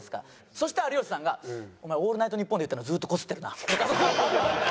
そしたら有吉さんが「お前『オールナイトニッポン』で言ったのずっとこすってるな」。